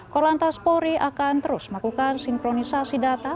korlantas polri akan terus melakukan sinkronisasi data